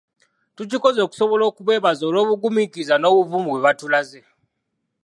Tukikoze okusobola okubeebaza olw’obugumiikiriza n’obuvumu bwe batulaze.